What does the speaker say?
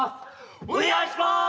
お願いします！